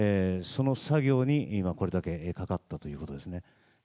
その作業に今、これだけかかったということですね。